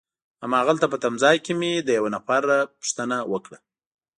هماغلته په تمځای کي مې له یوه نفر پوښتنه وکړه.